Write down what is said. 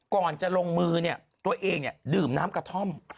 ก่อนจะลงมือเนี่ยตัวเองดื่มน้ำกระท่อม